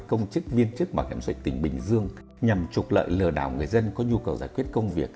công chức viên chức bảo hiểm sội tỉnh bình dương nhằm trục lợi lừa đảo người dân có nhu cầu giải quyết công việc